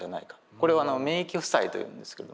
これを免疫負債というんですけれども。